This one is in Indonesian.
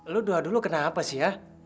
lo dua dulu kenapa sih ya